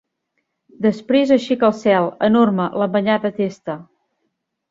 Després aixeca al cel, enorme, l'embanyada testa.